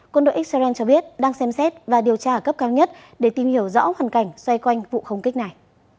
quân đội israel cho biết đang xem xét và điều tra ở cấp cao nhất để tìm hiểu rõ hoàn cảnh xoay quanh vụ không kích này